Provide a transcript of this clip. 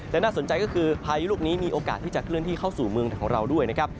และน่าสนใจก็คือพายุลูกนี้มีโอกาสที่จะเคลื่อนที่เข้าสู่เมืองของเราด้วยนะครับ